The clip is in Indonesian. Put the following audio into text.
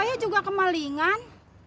saya juga kemalingan